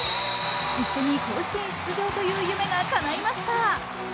一緒に甲子園出場という夢が叶いました。